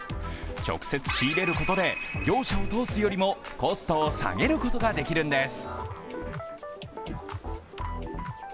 直接仕入れることで業者を通すことよりもコストを下げることができるんです。